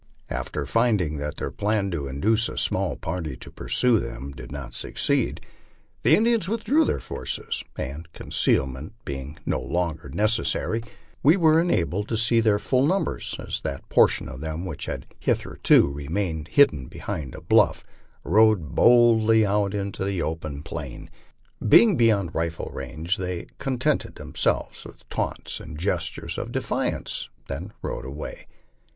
After finding that their plan to induce a small party to pursue them did not succeed, the Indians withdrew their forces, and, concealment being no longer necessary, we were enabled to see their full numbers as that portion of them which had hitherto remained hidden behind a bluff rode boldly out on the open plain. Being beyond rifle range, they contented themselves with taunts and gestures of defiance, then rode away.